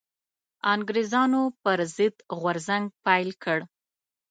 انګرېزانو پر ضد غورځنګ پيل کړ